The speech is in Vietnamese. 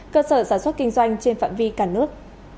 cơ sở sản xuất kinh doanh trên phạm vi cả nước